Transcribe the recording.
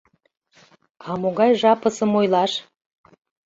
— А могай жапысым ойлаш?